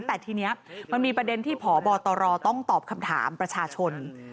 แต่ทีนี้มันมีประเด็นที่พบตรต้องตอบคำถามประชาชน